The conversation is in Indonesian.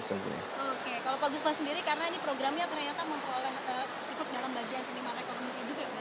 oke kalau pak gusman sendiri karena ini programnya ternyata memperoleh ikut dalam bagian penerimaan ekonomi juga